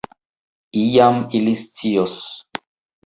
Iam ili scios.